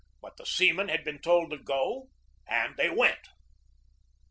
But the seamen had been told to go and they went.